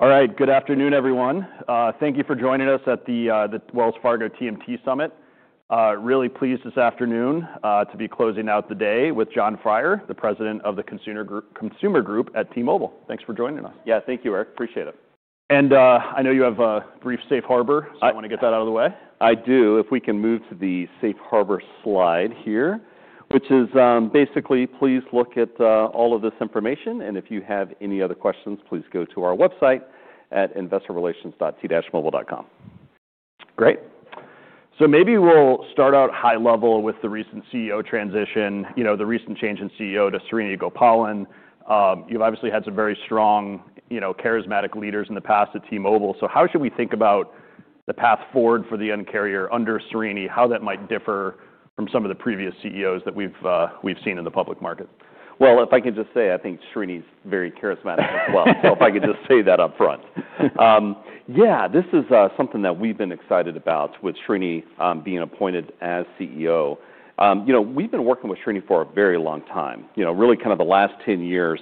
All right, good afternoon everyone. Thank you for joining us at the Wells Fargo TMT Summit. Really pleased this afternoon to be closing out the day with Jon Freier, the President of the Consumer Group at T-Mobile. Thanks for joining us. Yeah, thank you, Eric. Appreciate it. I know you have a brief safe harbor. I. I wanna get that out of the way. I do. If we can move to the safe harbor slide here, which is, basically, please look at all of this information. If you have any other questions, please go to our website at investorrelations.t-mobile.com. Great. Maybe we'll start out high level with the recent CEO transition, you know, the recent change in CEO to Srini Gopalan. You've obviously had some very strong, you know, charismatic leaders in the past at T-Mobile. How should we think about the path forward for the end carrier under Srini, how that might differ from some of the previous CEOs that we've seen in the public market? I think Srini's very charismatic as well. If I could just say that upfront, yeah, this is something that we've been excited about with Srini being appointed as CEO. You know, we've been working with Srini for a very long time, you know, really kind of the last 10 years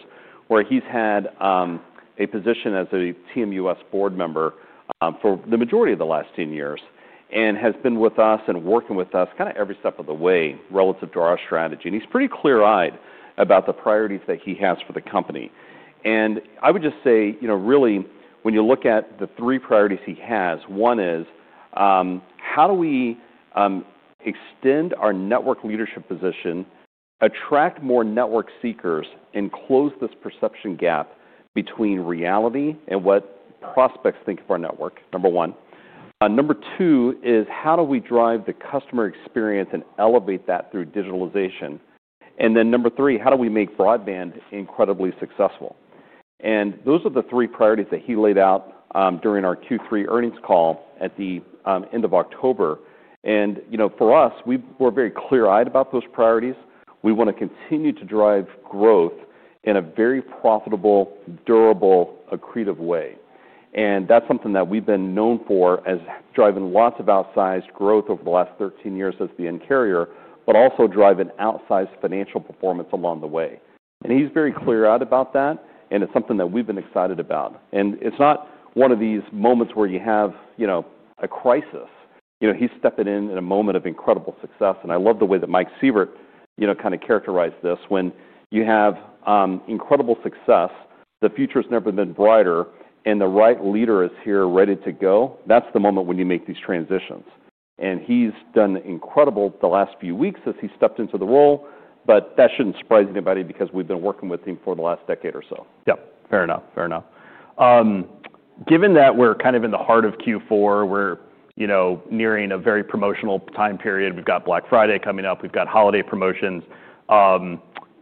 where he's had a position as a TMUS board member for the majority of the last 10 years and has been with us and working with us kinda every step of the way relative to our strategy. And he's pretty clear-eyed about the priorities that he has for the company. I would just say, you know, really, when you look at the three priorities he has, one is, how do we extend our network leadership position, attract more network seekers, and close this perception gap between reality and what prospects think of our network, number one. Number two is, how do we drive the customer experience and elevate that through digitalization? Then number three, how do we make broadband incredibly successful? Those are the three priorities that he laid out during our Q3 earnings call at the end of October. You know, for us, we were very clear-eyed about those priorities. We want to continue to drive growth in a very profitable, durable, accretive way. That is something that we have been known for as driving lots of outsized growth over the last 13 years as the end carrier, but also driving outsized financial performance along the way. He is very clear-eyed about that, and it is something that we have been excited about. It is not one of these moments where you have, you know, a crisis. You know, he is stepping in in a moment of incredible success. I love the way that Mike Sievert, you know, kinda characterized this. When you have incredible success, the future has never been brighter, and the right leader is here, ready to go. That is the moment when you make these transitions. He has done incredible the last few weeks as he stepped into the role, but that should not surprise anybody because we have been working with him for the last decade or so. Yep. Fair enough. Fair enough. Given that we're kind of in the heart of Q4, we're, you know, nearing a very promotional time period. We've got Black Friday coming up. We've got holiday promotions.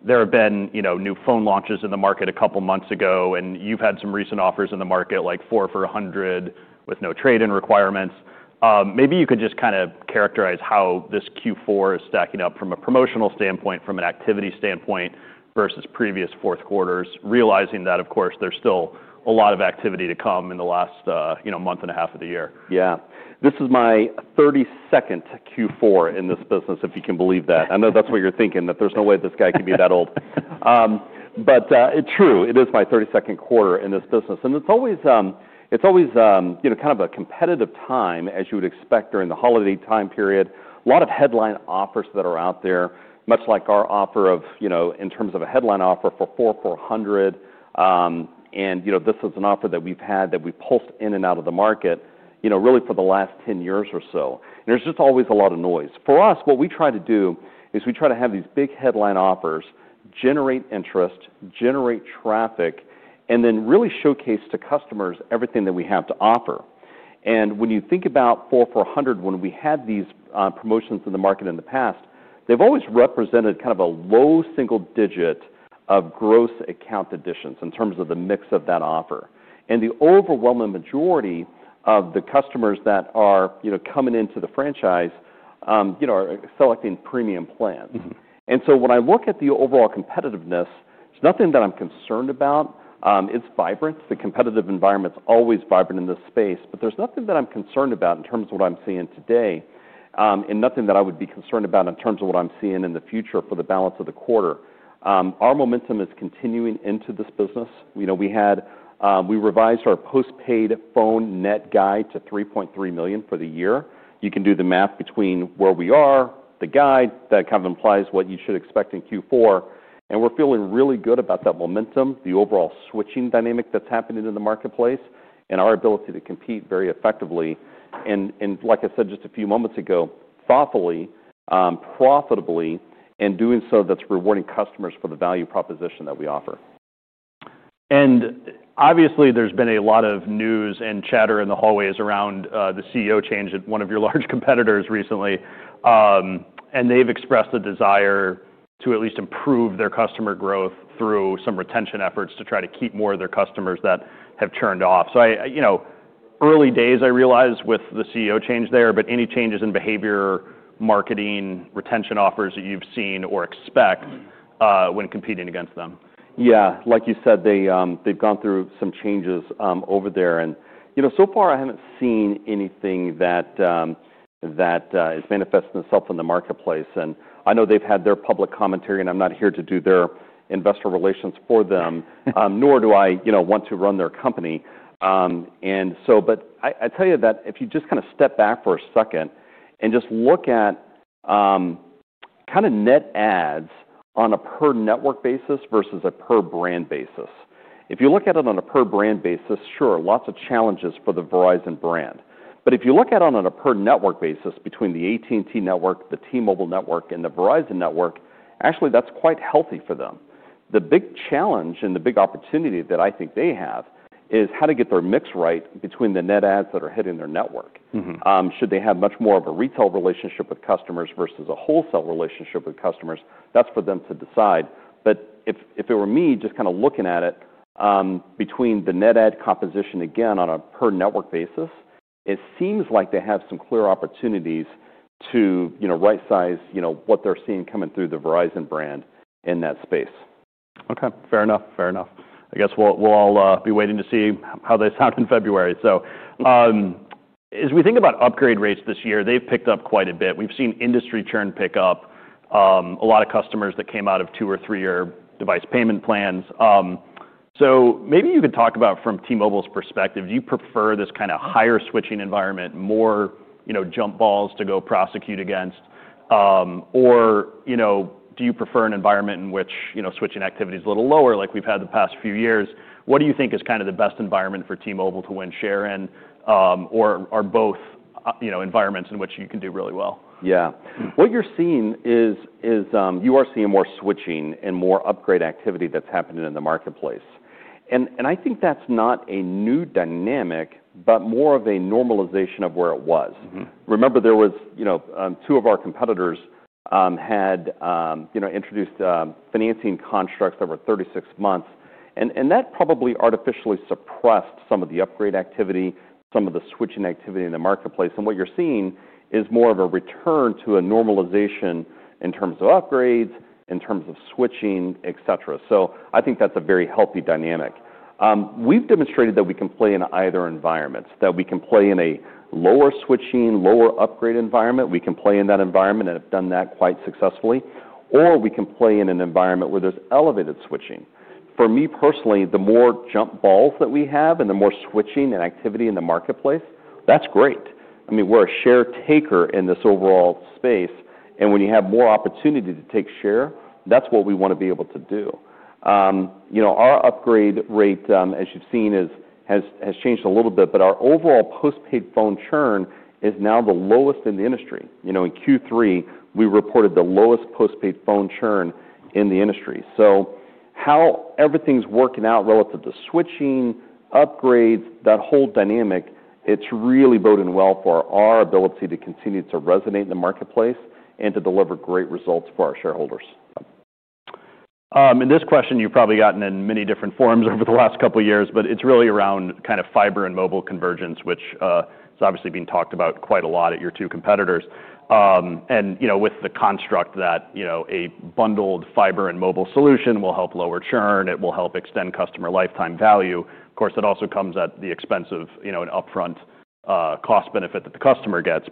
There have been, you know, new phone launches in the market a couple months ago, and you've had some recent offers in the market, like four for $100 with no trade-in requirements. Maybe you could just kinda characterize how this Q4 is stacking up from a promotional standpoint, from an activity standpoint versus previous fourth quarters, realizing that, of course, there's still a lot of activity to come in the last, you know, month and a half of the year. Yeah. This is my 32nd Q4 in this business, if you can believe that. I know that's what you're thinking, that there's no way this guy can be that old, but it's true. It is my 32nd quarter in this business. It's always, it's always, you know, kind of a competitive time, as you would expect during the holiday time period. A lot of headline offers that are out there, much like our offer of, you know, in terms of a headline offer for four for $100. You know, this is an offer that we've had that we've pulsed in and out of the market, you know, really for the last 10 years or so. There's just always a lot of noise. For us, what we try to do is we try to have these big headline offers generate interest, generate traffic, and then really showcase to customers everything that we have to offer. When you think about four for $100, when we had these promotions in the market in the past, they've always represented kind of a low single digit of gross account additions in terms of the mix of that offer. The overwhelming majority of the customers that are, you know, coming into the franchise, you know, are selecting premium plans. Mm-hmm. When I look at the overall competitiveness, there's nothing that I'm concerned about. It's vibrant. The competitive environment's always vibrant in this space. There's nothing that I'm concerned about in terms of what I'm seeing today, and nothing that I would be concerned about in terms of what I'm seeing in the future for the balance of the quarter. Our momentum is continuing into this business. You know, we had, we revised our post-paid phone net guide to 3.3 million for the year. You can do the math between where we are, the guide, that kind of implies what you should expect in Q4. We're feeling really good about that momentum, the overall switching dynamic that's happening in the marketplace, and our ability to compete very effectively. Like I said just a few moments ago, thoughtfully, profitably, and doing so that's rewarding customers for the value proposition that we offer. Obviously, there's been a lot of news and chatter in the hallways around the CEO change at one of your large competitors recently, and they've expressed a desire to at least improve their customer growth through some retention efforts to try to keep more of their customers that have churned off. I, you know, early days, I realize, with the CEO change there, but any changes in behavior, marketing, retention offers that you've seen or expect? Mm-hmm. When competing against them? Yeah. Like you said, they've gone through some changes over there. And, you know, so far, I haven't seen anything that is manifesting itself in the marketplace. I know they've had their public commentary, and I'm not here to do their investor relations for them, nor do I, you know, want to run their company. I tell you that if you just kinda step back for a second and just look at kinda net ads on a per-network basis versus a per-brand basis. If you look at it on a per-brand basis, sure, lots of challenges for the Verizon brand. If you look at it on a per-network basis between the AT&T network, the T-Mobile network, and the Verizon network, actually, that's quite healthy for them. The big challenge and the big opportunity that I think they have is how to get their mix right between the net ads that are hitting their network. Mm-hmm. Should they have much more of a retail relationship with customers versus a wholesale relationship with customers? That is for them to decide. If it were me, just kinda looking at it, between the net ad composition, again, on a per-network basis, it seems like they have some clear opportunities to, you know, right-size, you know, what they are seeing coming through the Verizon brand in that space. Okay. Fair enough. Fair enough. I guess we'll all be waiting to see how they sound in February. As we think about upgrade rates this year, they've picked up quite a bit. We've seen industry churn pick up, a lot of customers that came out of two- or three-year device payment plans. So maybe you could talk about, from T-Mobile's perspective, do you prefer this kinda higher switching environment, more, you know, jump balls to go prosecute against, or do you prefer an environment in which, you know, switching activity's a little lower, like we've had the past few years? What do you think is kinda the best environment for T-Mobile to win share in, or both, you know, environments in which you can do really well? Yeah. What you're seeing is, you are seeing more switching and more upgrade activity that's happening in the marketplace. I think that's not a new dynamic, but more of a normalization of where it was. Mm-hmm. Remember, there was, you know, two of our competitors had, you know, introduced financing constructs over 36 months. That probably artificially suppressed some of the upgrade activity, some of the switching activity in the marketplace. What you're seeing is more of a return to a normalization in terms of upgrades, in terms of switching, etc. I think that's a very healthy dynamic. We've demonstrated that we can play in either environment, that we can play in a lower switching, lower upgrade environment. We can play in that environment and have done that quite successfully. Or we can play in an environment where there's elevated switching. For me personally, the more jump balls that we have and the more switching and activity in the marketplace, that's great. I mean, we're a share taker in this overall space. When you have more opportunity to take share, that's what we wanna be able to do. You know, our upgrade rate, as you've seen, has changed a little bit, but our overall post-paid phone churn is now the lowest in the industry. You know, in Q3, we reported the lowest post-paid phone churn in the industry. How everything's working out relative to switching, upgrades, that whole dynamic, it really bodes well for our ability to continue to resonate in the marketplace and to deliver great results for our shareholders. This question you've probably gotten in many different forms over the last couple years, but it's really around kinda fiber and mobile convergence, which has obviously been talked about quite a lot at your two competitors. You know, with the construct that, you know, a bundled fiber and mobile solution will help lower churn. It will help extend customer lifetime value. Of course, it also comes at the expense of, you know, an upfront cost benefit that the customer gets.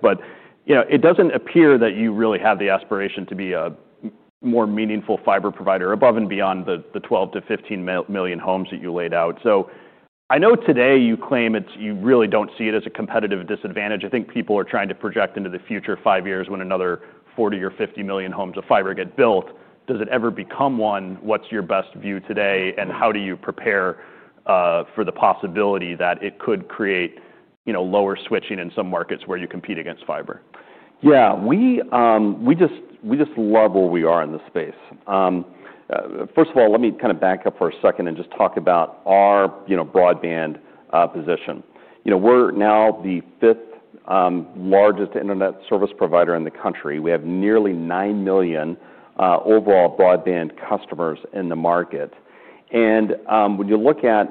You know, it doesn't appear that you really have the aspiration to be a more meaningful fiber provider above and beyond the 12-15 million homes that you laid out. I know today you claim you really don't see it as a competitive disadvantage. I think people are trying to project into the future five years when another 40 or 50 million homes of fiber get built. Does it ever become one? What's your best view today, and how do you prepare for the possibility that it could create, you know, lower switching in some markets where you compete against fiber? Yeah. We just love where we are in this space. First of all, let me kinda back up for a second and just talk about our, you know, broadband position. You know, we're now the fifth largest internet service provider in the country. We have nearly 9 million overall broadband customers in the market. When you look at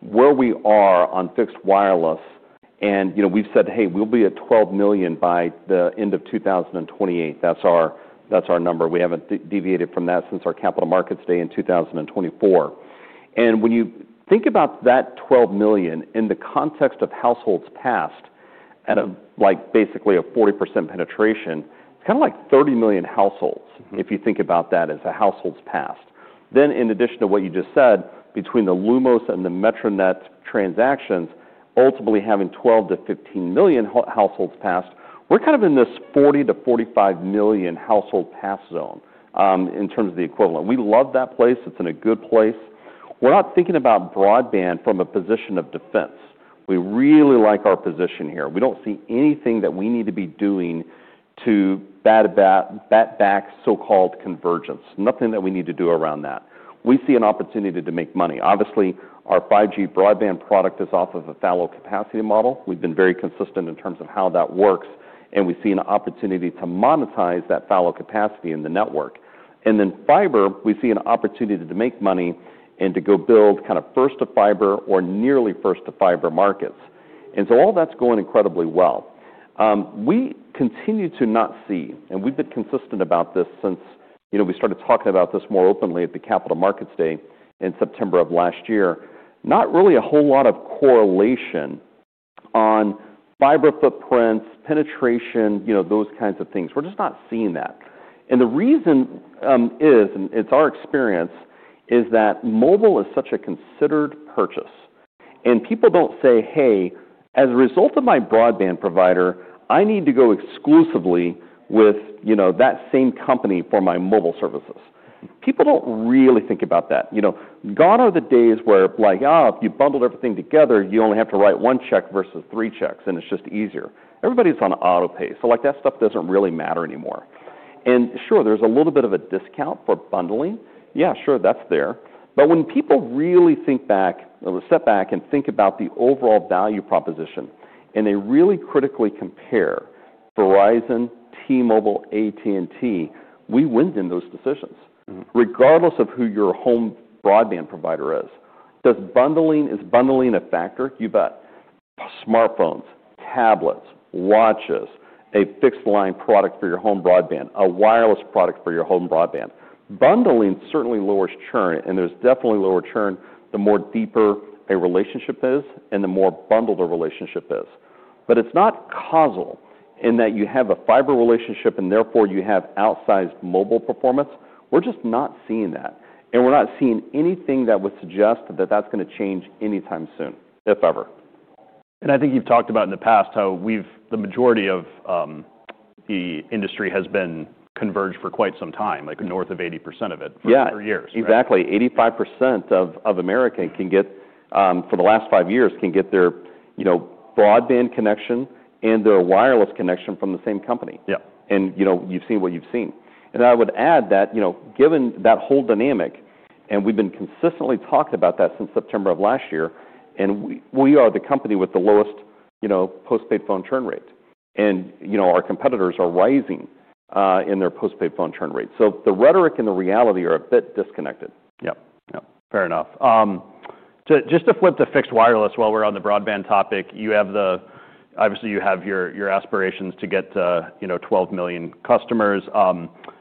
where we are on fixed wireless, and, you know, we've said, "Hey, we'll be at 12 million by the end of 2028." That's our number. We haven't deviated from that since our capital markets day in 2024. When you think about that 12 million in the context of households passed at a, like, basically a 40% penetration, it's kinda like 30 million households. Mm-hmm. If you think about that as households passed. Then, in addition to what you just said, between the Lumos and the Metronet transactions, ultimately having 12-15 million households passed, we're kind of in this 40-45 million household pass zone, in terms of the equivalent. We love that place. It's in a good place. We're not thinking about broadband from a position of defense. We really like our position here. We don't see anything that we need to be doing to bat back so-called convergence. Nothing that we need to do around that. We see an opportunity to make money. Obviously, our 5G broadband product is off of a fallow capacity model. We've been very consistent in terms of how that works, and we see an opportunity to monetize that fallow capacity in the network. Fiber, we see an opportunity to make money and to go build kinda first-to-fiber or nearly first-to-fiber markets. All that's going incredibly well. We continue to not see, and we've been consistent about this since, you know, we started talking about this more openly at the capital markets day in September of last year, not really a whole lot of correlation on fiber footprints, penetration, you know, those kinds of things. We're just not seeing that. The reason is, and it's our experience, is that mobile is such a considered purchase. People don't say, "Hey, as a result of my broadband provider, I need to go exclusively with, you know, that same company for my mobile services. People do not really think about that. You know, gone are the days where, like, "Oh, if you bundled everything together, you only have to write one check versus three checks, and it is just easier." Everybody is on autopay. Like, that stuff does not really matter anymore. Sure, there is a little bit of a discount for bundling. Yeah, sure, that is there. When people really think back or step back and think about the overall value proposition, and they really critically compare Verizon, T-Mobile, AT&T, we win in those decisions. Mm-hmm. Regardless of who your home broadband provider is. Is bundling a factor? You bet. Smartphones, tablets, watches, a fixed line product for your home broadband, a wireless product for your home broadband. Bundling certainly lowers churn, and there's definitely lower churn the more deeper a relationship is and the more bundled a relationship is. It's not causal in that you have a fiber relationship, and therefore you have outsized mobile performance. We're just not seeing that. We're not seeing anything that would suggest that that's gonna change anytime soon, if ever. I think you've talked about in the past how we've, the majority of the industry has been converged for quite some time, like north of 80% of it. Yeah. For years. Exactly. 85% of America can get, for the last five years, can get their, you know, broadband connection and their wireless connection from the same company. Yeah. You know, you've seen what you've seen. I would add that, you know, given that whole dynamic, and we've been consistently talking about that since September of last year, we are the company with the lowest, you know, post-paid phone churn rate. You know, our competitors are rising in their post-paid phone churn rate. The rhetoric and the reality are a bit disconnected. Yep. Yep. Fair enough. Just to flip to fixed wireless while we're on the broadband topic, you have the, obviously, you have your aspirations to get to, you know, 12 million customers.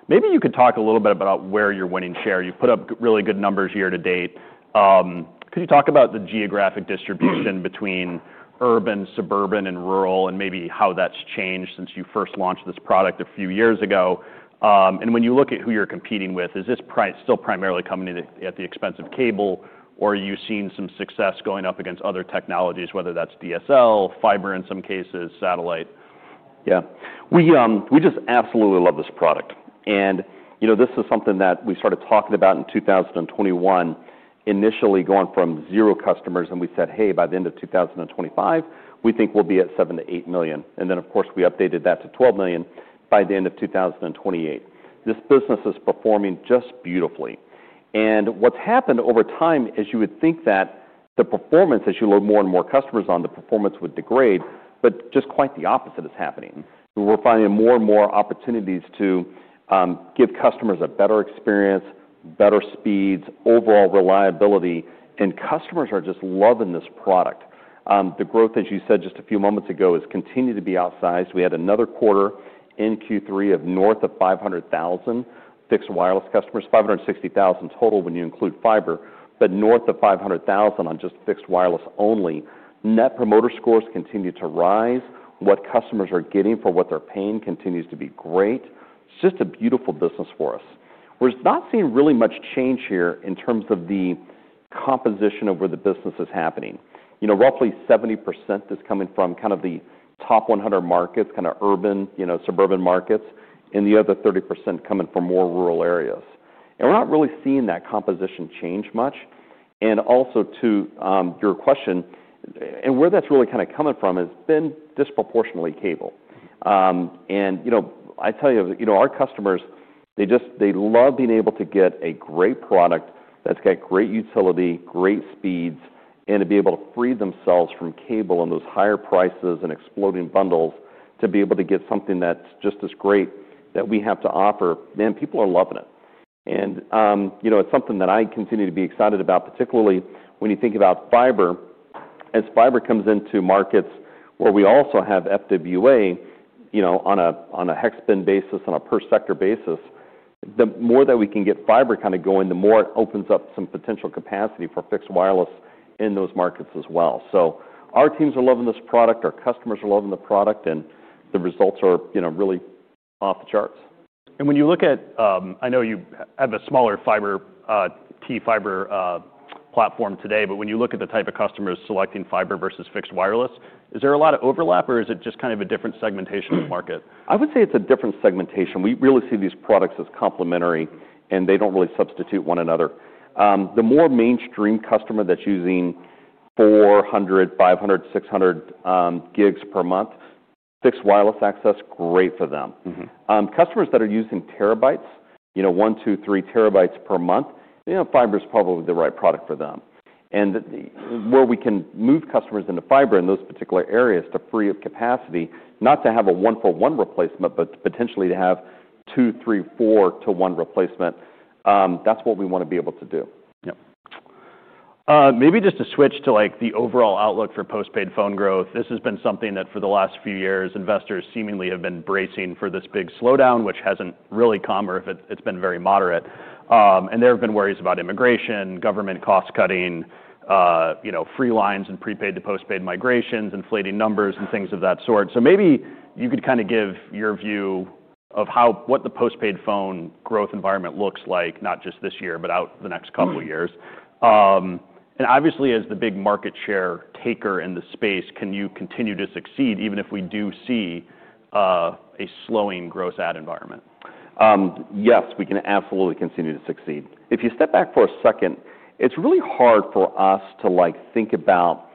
Maybe you could talk a little bit about where you're winning share. You've put up really good numbers year to date. Could you talk about the geographic distribution between urban, suburban, and rural, and maybe how that's changed since you first launched this product a few years ago? When you look at who you're competing with, is this price still primarily coming at the expense of cable, or are you seeing some success going up against other technologies, whether that's DSL, fiber in some cases, satellite? Yeah. We just absolutely love this product. And, you know, this is something that we started talking about in 2021, initially going from zero customers. And we said, "Hey, by the end of 2025, we think we'll be at 7-8 million." And then, of course, we updated that to 12 million by the end of 2028. This business is performing just beautifully. And what's happened over time is you would think that the performance, as you load more and more customers on, the performance would degrade, but just quite the opposite is happening. We're finding more and more opportunities to give customers a better experience, better speeds, overall reliability, and customers are just loving this product. The growth, as you said just a few moments ago, has continued to be outsized. We had another quarter in Q3 of north of 500,000 fixed wireless customers, 560,000 total when you include fiber, but north of 500,000 on just fixed wireless only. Net Promoter Scores continue to rise. What customers are getting for what they're paying continues to be great. It's just a beautiful business for us. We're not seeing really much change here in terms of the composition of where the business is happening. You know, roughly 70% is coming from kind of the top 100 markets, kinda urban, you know, suburban markets, and the other 30% coming from more rural areas. We're not really seeing that composition change much. To your question, and where that's really kinda coming from has been disproportionately cable. You know, I tell you, our customers, they just love being able to get a great product that's got great utility, great speeds, and to be able to free themselves from cable and those higher prices and exploding bundles to be able to get something that's just as great that we have to offer. Man, people are loving it. You know, it's something that I continue to be excited about, particularly when you think about fiber. As fiber comes into markets where we also have FWA, you know, on a hex bin basis, on a per-sector basis, the more that we can get fiber kinda going, the more it opens up some potential capacity for fixed wireless in those markets as well. Our teams are loving this product. Our customers are loving the product, and the results are, you know, really off the charts. When you look at, I know you have a smaller fiber, T-Fiber, platform today, but when you look at the type of customers selecting fiber versus fixed wireless, is there a lot of overlap, or is it just kind of a different segmentation of the market? I would say it's a different segmentation. We really see these products as complementary, and they don't really substitute one another. The more mainstream customer that's using 400, 500, 600 gigs per month, fixed wireless access, great for them. Mm-hmm. customers that are using terabytes, you know, one, two, three terabytes per month, you know, fiber's probably the right product for them. Where we can move customers into fiber in those particular areas to free up capacity, not to have a one-for-one replacement, but potentially to have two, three, four-to-one replacement, that's what we wanna be able to do. Yep. Maybe just to switch to, like, the overall outlook for post-paid phone growth. This has been something that for the last few years, investors seemingly have been bracing for this big slowdown, which hasn't really come, or if it's been very moderate. And there have been worries about immigration, government cost-cutting, you know, free lines and prepaid to post-paid migrations, inflating numbers, and things of that sort. So maybe you could kinda give your view of how what the post-paid phone growth environment looks like, not just this year, but out the next couple of years. And obviously, as the big market share taker in the space, can you continue to succeed even if we do see, a slowing gross ad environment? Yes, we can absolutely continue to succeed. If you step back for a second, it's really hard for us to, like, think about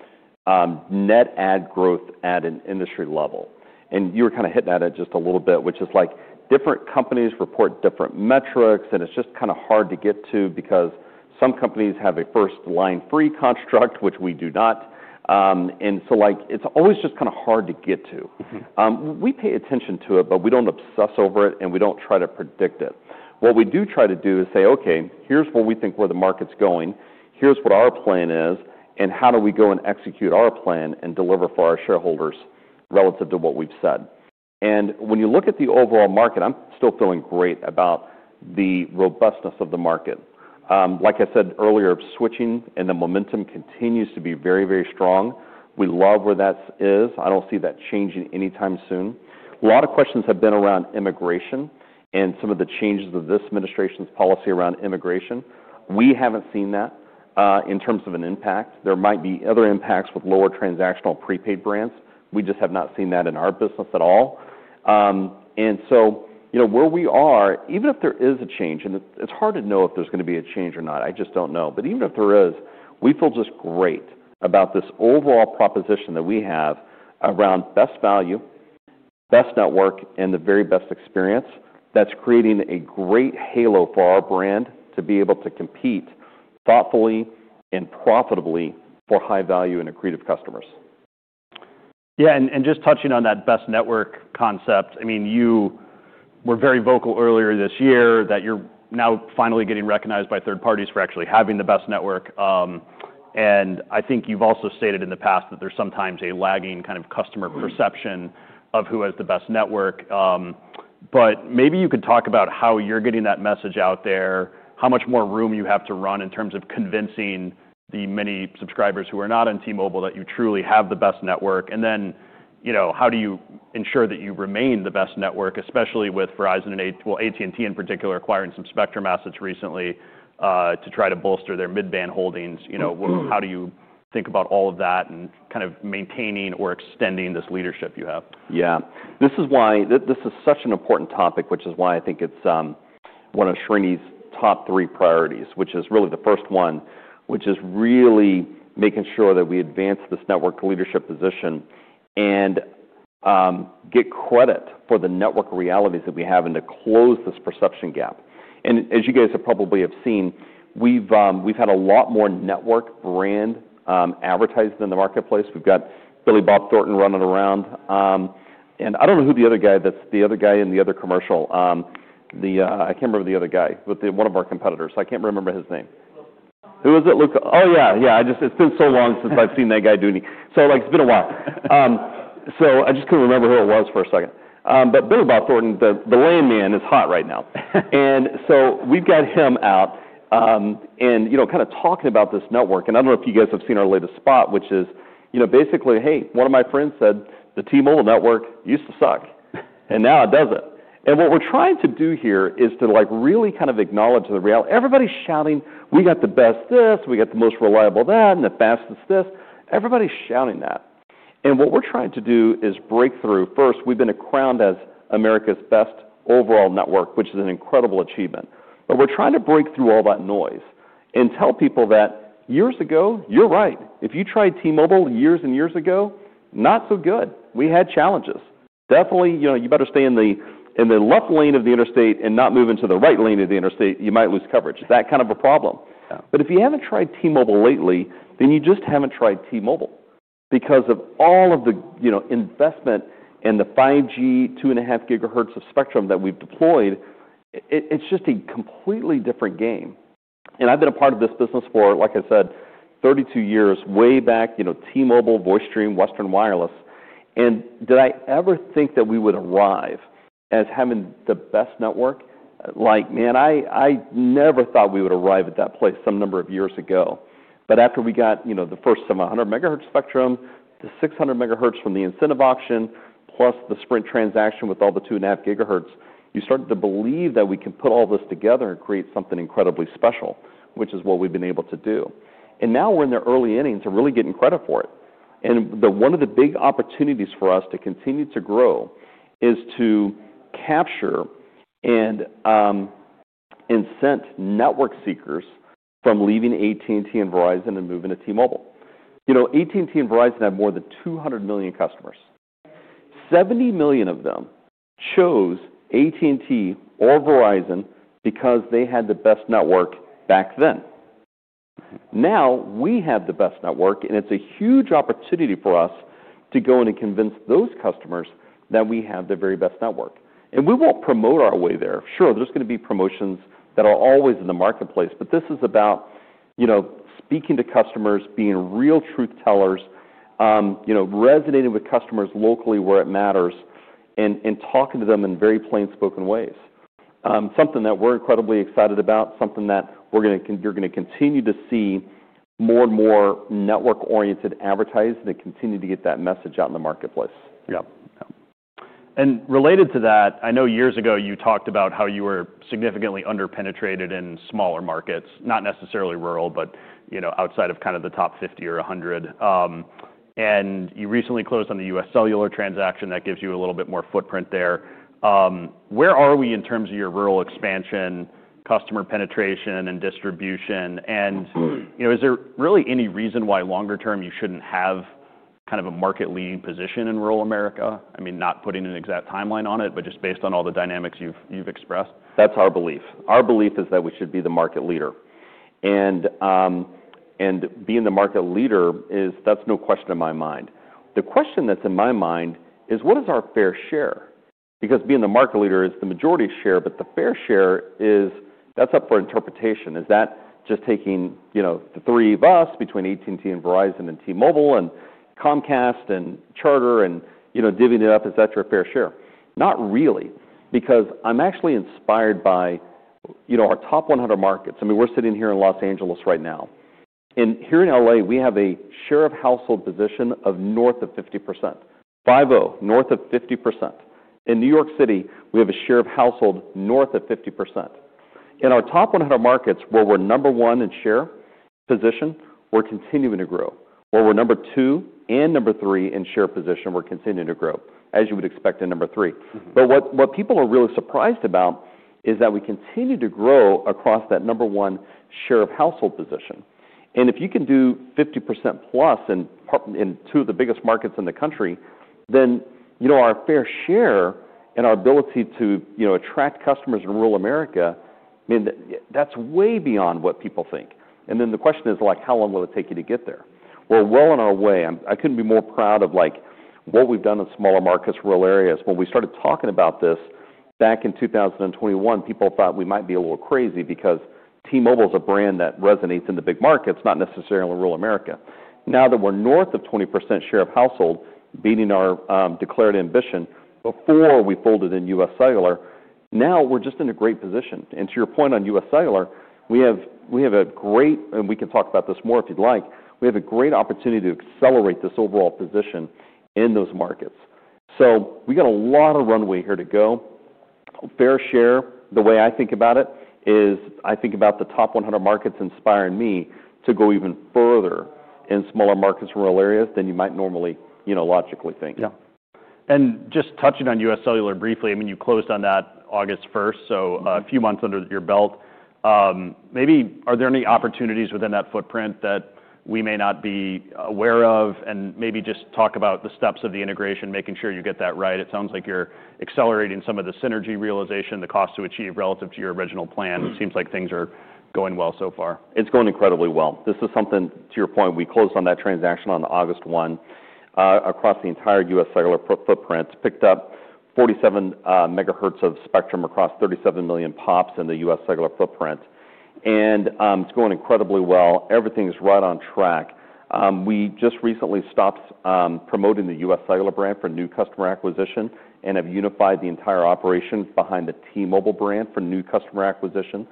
net ad growth at an industry level. You were kinda hitting that at just a little bit, which is, like, different companies report different metrics, and it's just kinda hard to get to because some companies have a first-line-free construct, which we do not. It's always just kinda hard to get to. Mm-hmm. We pay attention to it, but we do not obsess over it, and we do not try to predict it. What we do try to do is say, "Okay, here is where we think the market is going. Here is what our plan is, and how do we go and execute our plan and deliver for our shareholders relative to what we have said?" When you look at the overall market, I am still feeling great about the robustness of the market. Like I said earlier, switching and the momentum continues to be very, very strong. We love where that is. I do not see that changing anytime soon. A lot of questions have been around immigration and some of the changes of this administration's policy around immigration. We have not seen that, in terms of an impact. There might be other impacts with lower transactional prepaid brands. We just have not seen that in our business at all. And so, you know, where we are, even if there is a change, and it's hard to know if there's gonna be a change or not. I just don't know. But even if there is, we feel just great about this overall proposition that we have around best value, best network, and the very best experience that's creating a great halo for our brand to be able to compete thoughtfully and profitably for high-value and accretive customers. Yeah. And just touching on that best network concept, I mean, you were very vocal earlier this year that you're now finally getting recognized by third parties for actually having the best network. I think you've also stated in the past that there's sometimes a lagging kind of customer perception of who has the best network. Maybe you could talk about how you're getting that message out there, how much more room you have to run in terms of convincing the many subscribers who are not on T-Mobile that you truly have the best network. You know, how do you ensure that you remain the best network, especially with Verizon and AT&T in particular acquiring some Spectrum assets recently to try to bolster their mid-band holdings? You know, how do you think about all of that and kind of maintaining or extending this leadership you have? Yeah. This is why this is such an important topic, which is why I think it's one of Srini's top three priorities, which is really the first one, which is really making sure that we advance this network leadership position and get credit for the network realities that we have and to close this perception gap. As you guys have probably seen, we've had a lot more network brand advertised in the marketplace. We've got Billy Bob Thornton running around. I don't know who the other guy is, that's the other guy in the other commercial. I can't remember the other guy, but one of our competitors. I can't remember his name. Who was it? Luca? Oh, yeah. I just, it's been so long since I've seen that guy do any. Like, it's been a while. I just could not remember who it was for a second. Billy Bob Thornton, the landman, is hot right now. We have got him out, and, you know, kind of talking about this network. I do not know if you guys have seen our latest spot, which is basically, "Hey, one of my friends said the T-Mobile network used to suck, and now it does not." What we are trying to do here is to really kind of acknowledge the reality. Everybody is shouting, "We got the best this. We got the most reliable that, and the fastest this." Everybody is shouting that. What we are trying to do is break through. First, we have been crowned as America's best overall network, which is an incredible achievement. We are trying to break through all that noise and tell people that years ago, you are right. If you tried T-Mobile years and years ago, not so good. We had challenges. Definitely, you know, you better stay in the left lane of the interstate and not move into the right lane of the interstate. You might lose coverage. That kind of a problem. Yeah. If you haven't tried T-Mobile lately, then you just haven't tried T-Mobile because of all of the, you know, investment and the 5G, 2.5 GHz of spectrum that we've deployed. It's just a completely different game. I've been a part of this business for, like I said, 32 years, way back, you know, T-Mobile, VoiceStream, Western Wireless. Did I ever think that we would arrive as having the best network? Like, man, I never thought we would arrive at that place some number of years ago. After we got, you know, the first 700 MHz spectrum, the 600 MHz from the incentive auction, plus the Sprint transaction with all the two and a half gigahertz, you started to believe that we can put all this together and create something incredibly special, which is what we've been able to do. Now we're in the early innings of really getting credit for it. One of the big opportunities for us to continue to grow is to capture and send network seekers from leaving AT&T and Verizon and moving to T-Mobile. You know, AT&T and Verizon have more than 200 million customers. Seventy million of them chose AT&T or Verizon because they had the best network back then. Now we have the best network, and it's a huge opportunity for us to go in and convince those customers that we have the very best network. We won't promote our way there. Sure, there's gonna be promotions that are always in the marketplace, but this is about, you know, speaking to customers, being real truth tellers, resonating with customers locally where it matters, and talking to them in very plainspoken ways. Something that we're incredibly excited about, something that we're gonna, you're gonna continue to see more and more network-oriented advertising that continue to get that message out in the marketplace. Yep. Yep. And related to that, I know years ago you talked about how you were significantly underpenetrated in smaller markets, not necessarily rural, but, you know, outside of kinda the top 50 or 100. And you recently closed on the UScellular transaction. That gives you a little bit more footprint there. Where are we in terms of your rural expansion, customer penetration, and distribution? And, you know, is there really any reason why longer term you shouldn't have kind of a market-leading position in rural America? I mean, not putting an exact timeline on it, but just based on all the dynamics you've, you've expressed. That's our belief. Our belief is that we should be the market leader. Being the market leader is, that's no question in my mind. The question that's in my mind is, what is our fair share? Because being the market leader is the majority share, but the fair share is, that's up for interpretation. Is that just taking, you know, the three of us between AT&T and Verizon and T-Mobile and Comcast and Charter and, you know, divvying it up, is that your fair share? Not really, because I'm actually inspired by, you know, our top 100 markets. I mean, we're sitting here in Los Angeles right now. Here in L.A., we have a share of household position of north of 50%, BVOT, north of 50%. In New York City, we have a share of household north of 50%. In our top 100 markets, where we're number one in share position, we're continuing to grow. Where we're number two and number three in share position, we're continuing to grow, as you would expect in number three. What people are really surprised about is that we continue to grow across that number one share of household position. If you can do 50%+ in part in two of the biggest markets in the country, then, you know, our fair share and our ability to, you know, attract customers in rural America, I mean, that's way beyond what people think. The question is, like, how long will it take you to get there? We're well on our way. I couldn't be more proud of, like, what we've done in smaller markets, rural areas. When we started talking about this back in 2021, people thought we might be a little crazy because T-Mobile's a brand that resonates in the big markets, not necessarily rural America. Now that we're north of 20% share of household, beating our declared ambition before we folded in UScellular, now we're just in a great position. To your point on UScellular, we have a great, and we can talk about this more if you'd like, we have a great opportunity to accelerate this overall position in those markets. We got a lot of runway here to go. Fair share, the way I think about it is I think about the top 100 markets inspiring me to go even further in smaller markets and rural areas than you might normally, you know, logically think. Yeah. And just touching on UScellular briefly, I mean, you closed on that August 1st, so a few months under your belt. Maybe are there any opportunities within that footprint that we may not be aware of? And maybe just talk about the steps of the integration, making sure you get that right. It sounds like you're accelerating some of the synergy realization, the cost to achieve relative to your original plan. It seems like things are going well so far. It's going incredibly well. This is something, to your point, we closed on that transaction on August 1, across the entire UScellular footprint, picked up 47 MHz of spectrum across 37 million pops in the UScellular footprint. It's going incredibly well. Everything's right on track. We just recently stopped promoting the UScellular brand for new customer acquisition and have unified the entire operation behind the T-Mobile brand for new customer acquisition.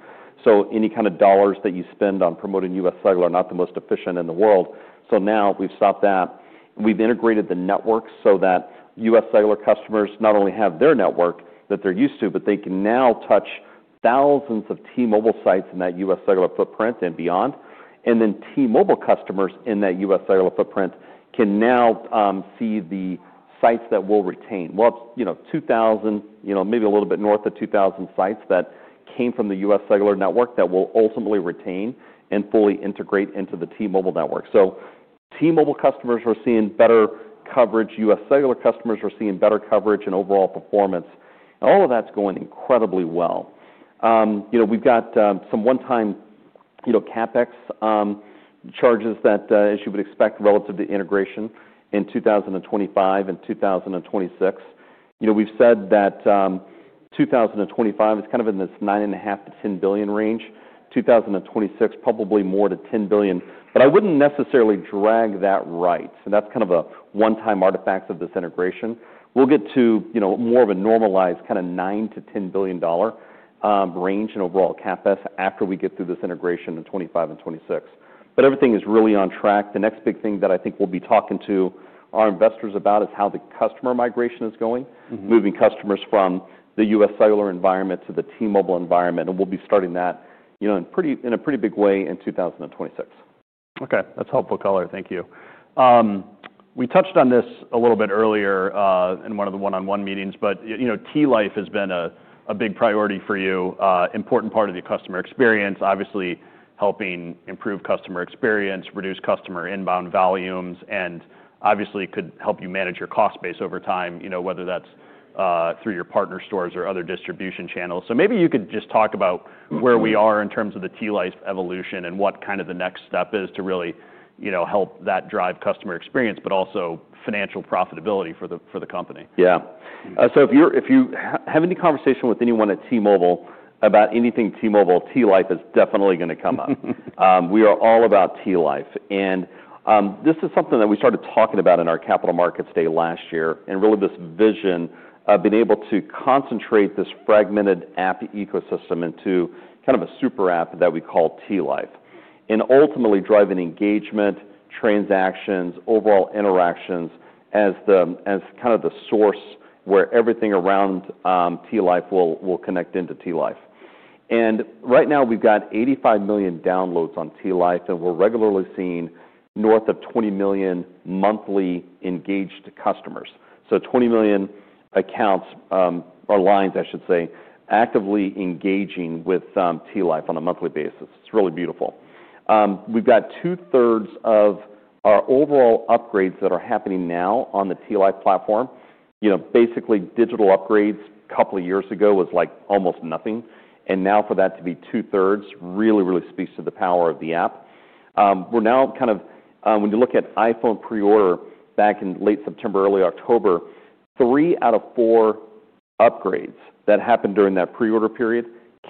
Any kind of dollars that you spend on promoting UScellular are not the most efficient in the world. Now we've stopped that. We've integrated the network so that UScellular customers not only have their network that they're used to, but they can now touch thousands of T-Mobile sites in that UScellular footprint and beyond. T-Mobile customers in that UScellular footprint can now see the sites that we will retain. It is, you know, 2,000, maybe a little bit north of 2,000 sites that came from the UScellular network that we will ultimately retain and fully integrate into the T-Mobile network. T-Mobile customers are seeing better coverage. UScellular customers are seeing better coverage and overall performance. All of that is going incredibly well. You know, we have some one-time, you know, CapEx charges that, as you would expect, are relative to integration in 2025 and 2026. We have said that 2025 is kind of in this $9.5 billion-$10 billion range. 2026, probably more to $10 billion. I would not necessarily drag that. That is kind of a one-time artifact of this integration. We'll get to, you know, more of a normalized kinda $9 billion-$10 billion range in overall CapEx after we get through this integration in 2025 and 2026. Everything is really on track. The next big thing that I think we'll be talking to our investors about is how the customer migration is going. Mm-hmm. Moving customers from the UScellular environment to the T-Mobile environment. We'll be starting that, you know, in a pretty big way in 2026. Okay. That's helpful color. Thank you. We touched on this a little bit earlier, in one of the one-on-one meetings, but, you know, T-Life has been a big priority for you, important part of your customer experience, obviously helping improve customer experience, reduce customer inbound volumes, and obviously could help you manage your cost base over time, you know, whether that's through your partner stores or other distribution channels. Maybe you could just talk about where we are in terms of the T-Life evolution and what kind of the next step is to really, you know, help that drive customer experience, but also financial profitability for the company. Yeah. If you have any conversation with anyone at T-Mobile about anything T-Mobile, T-Life is definitely gonna come up. We are all about T-Life. This is something that we started talking about in our Capital Markets Day last year and really this vision of being able to concentrate this fragmented app ecosystem into kind of a super app that we call T-Life and ultimately driving engagement, transactions, overall interactions as the source where everything around T-Life will connect into T-Life. Right now we've got 85 million downloads on T-Life, and we're regularly seeing north of 20 million monthly engaged customers. Twenty million accounts, or lines, I should say, actively engaging with T-Life on a monthly basis. It's really beautiful. We've got two-thirds of our overall upgrades that are happening now on the T-Life platform. You know, basically digital upgrades a couple of years ago was like almost nothing. And now for that to be two-thirds really, really speaks to the power of the app. We're now kind of, when you look at iPhone pre-order back in late September, early October, three out of four upgrades that happened during that pre-order period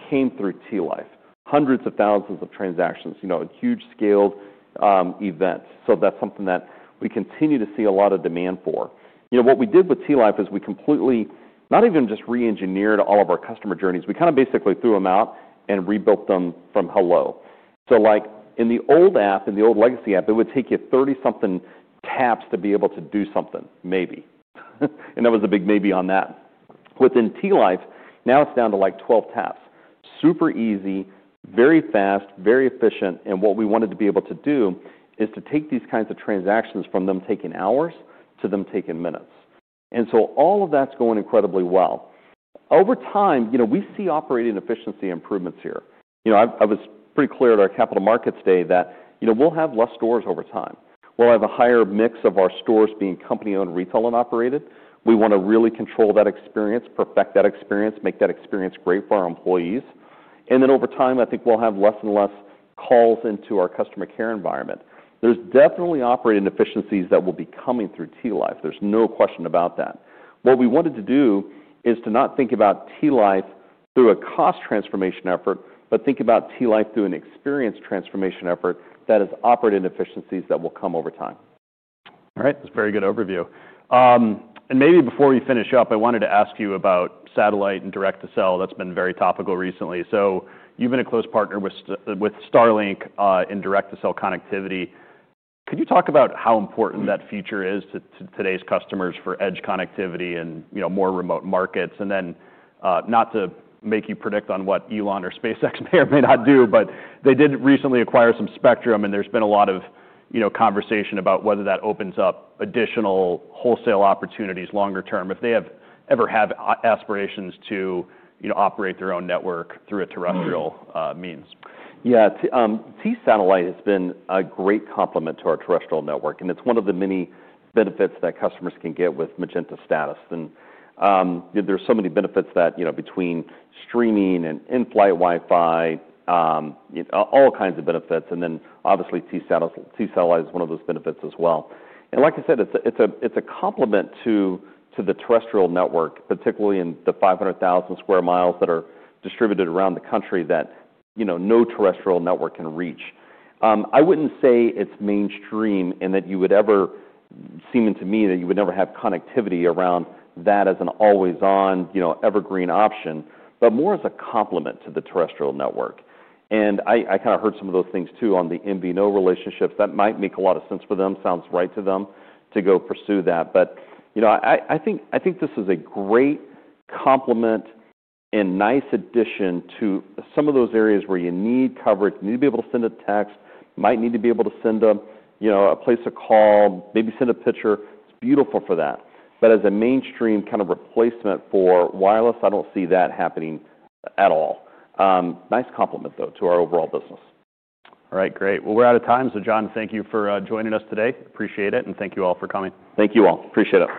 came through T-Life. Hundreds of thousands of transactions, you know, a huge scaled, event. That is something that we continue to see a lot of demand for. You know, what we did with T-Life is we completely not even just re-engineered all of our customer journeys. We kinda basically threw them out and rebuilt them from hello. Like in the old app, in the old legacy app, it would take you 30-something taps to be able to do something, maybe. And that was a big maybe on that. Within T-Life, now it's down to like 12 taps. Super easy, very fast, very efficient. What we wanted to be able to do is to take these kinds of transactions from them taking hours to them taking minutes. All of that's going incredibly well. Over time, you know, we see operating efficiency improvements here. You know, I was pretty clear at our Capital Markets Day that, you know, we'll have less stores over time. We'll have a higher mix of our stores being company-owned, retail, and operated. We wanna really control that experience, perfect that experience, make that experience great for our employees. Over time, I think we'll have less and less calls into our customer care environment. There's definitely operating efficiencies that will be coming through T-Life. There's no question about that. What we wanted to do is to not think about T-Life through a cost transformation effort, but think about T-Life through an experience transformation effort that is operating efficiencies that will come over time. All right. That's a very good overview. And maybe before we finish up, I wanted to ask you about satellite and direct-to-cell. That's been very topical recently. You have been a close partner with Starlink in direct-to-cell connectivity. Could you talk about how important that feature is to today's customers for edge connectivity and, you know, more remote markets? And then, not to make you predict on what Elon or SpaceX may or may not do, but they did recently acquire some Spectrum, and there's been a lot of, you know, conversation about whether that opens up additional wholesale opportunities longer term if they ever have aspirations to, you know, operate their own network through a terrestrial means. Yeah. T-Satellite has been a great complement to our terrestrial network, and it's one of the many benefits that customers can get with Magenta Status. You know, there's so many benefits that, you know, between streaming and in-flight Wi-Fi, all kinds of benefits. Obviously, T-Satellite is one of those benefits as well. Like I said, it's a complement to the terrestrial network, particularly in the 500,000 sq mi that are distributed around the country that no terrestrial network can reach. I wouldn't say it's mainstream in that you would ever seem to me that you would never have connectivity around that as an always-on, evergreen option, but more as a complement to the terrestrial network. I kinda heard some of those things too on the in-vino relationships. That might make a lot of sense for them. Sounds right to them to go pursue that. You know, I think this is a great complement and nice addition to some of those areas where you need coverage, need to be able to send a text, might need to be able to send a, you know, a place to call, maybe send a picture. It is beautiful for that. As a mainstream kind of replacement for wireless, I do not see that happening at all. Nice complement though to our overall business. All right. Great. We're out of time. John, thank you for joining us today. Appreciate it. Thank you all for coming. Thank you all. Appreciate it.